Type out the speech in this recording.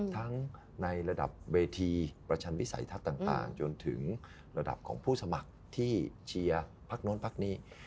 ทั้งในระดับเวทีประชันวิสัยทัศน์ต่างจนถึงระดับของผู้สมัครที่เชียร์พักโน้นพักนี้